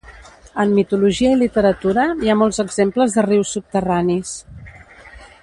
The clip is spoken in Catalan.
En mitologia i literatura hi ha molts exemples de rius subterranis.